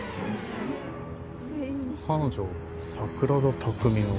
彼女桜田卓海の。